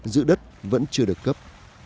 giữa đất vẫn chưa được cấp